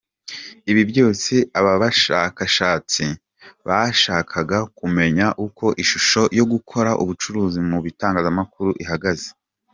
Ibi byose aba bashakashatsi bashakaga kumenya uko ishusho yo gukora ubucuruzi mu bitangazamakuru ihagaze.